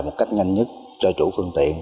một cách nhanh nhất cho chủ phương tiện